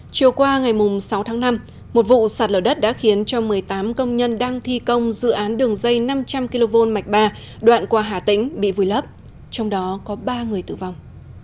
chiều qua ngày sáu tháng năm một vụ sạt lở đất đã khiến cho một mươi tám công nhân đang thi công dự án đường dây năm trăm linh kv mạch ba đoạn qua hà tĩnh bị vùi lấp trong đó có ba người tử vong